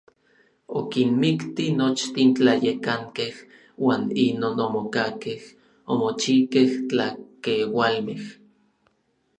Okinmikti nochtin tlayekankej uan inon omokakej omochikej tlakeualmej.